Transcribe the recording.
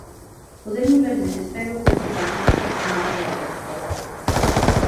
Pozemní verzi systému používá čínská armáda i letectvo.